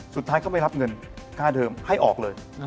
สุดท้ายก็ไปรับเงินค่าเทอมให้ออกเลย